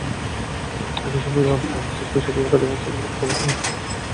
একই সময়ে আপনার মস্তিষ্ক শরীরের কার্যক্রম চালু রাখতে অবচেতনে অন্যান্য কাজও করে।